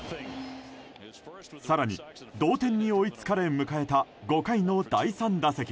更に同点に追いつかれ迎えた５回の第３打席。